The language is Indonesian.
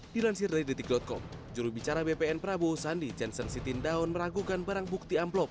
dilansir dari detik com jurubicara bpn prabowo sandi jansen siti ndaon meragukan barang bukti amplop